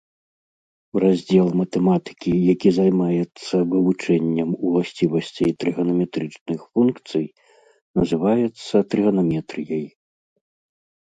Раздзел матэматыкі, які займаецца вывучэннем уласцівасцей трыганаметрычных функцый, называецца трыганаметрыяй.